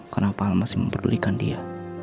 kenapa masih memperdulikan dia